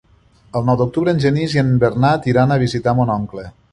El nou d'octubre en Genís i en Bernat iran a visitar mon oncle.